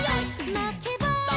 「まけば」